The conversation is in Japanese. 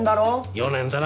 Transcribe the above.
４年だな。